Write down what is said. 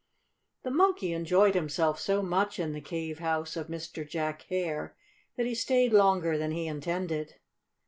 The Monkey enjoyed himself so much in the cave house of Mr. Jack Hare that he stayed longer than he intended.